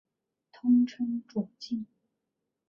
通称左近。